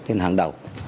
thêm hàng đầu